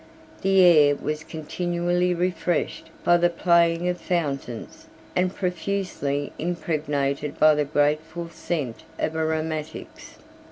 The air was continally refreshed by the playing of fountains, and profusely impregnated by the grateful scent of aromatics.